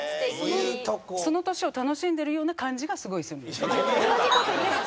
その歳を楽しんでるような感じがすごいするんですよね。